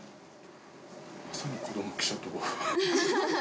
まさに子ども記者と。